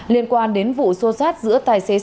liên quan đến vụ xô sát giữa tài xế xe tải